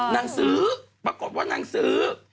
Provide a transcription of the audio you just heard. นางซื้อปรากฏว่านางซื้อ